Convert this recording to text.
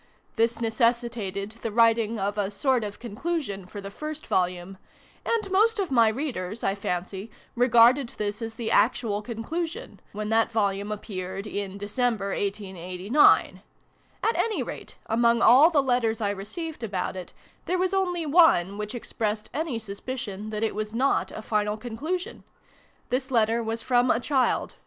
This necessitated the writing of a sort of conclusion for the first Volume : and most of my Readers, I fancy, regarded this as the actual PREFACE. xiii conclusion, when that Volume appeared in December, 1889. At any rate, among all the letters I received about it, there was only one which expressed any sus picion that it was not a final conclusion. This letter was from a child.